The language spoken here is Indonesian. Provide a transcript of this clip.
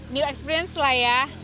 new experience lah ya